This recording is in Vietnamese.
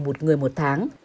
một người một tháng